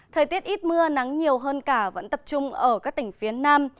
thời tiết ít mưa nắng nhiều hơn cả vẫn tập trung ở các tỉnh phía nam